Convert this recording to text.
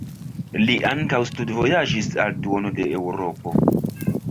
Li ankaŭ studvojaĝis al duono de Eŭropo.